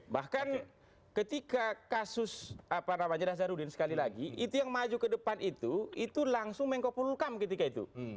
bahkan ketika kasus ramadhan nasarudin sekali lagi itu yang maju ke depan itu itu langsung menko purulkam ketika itu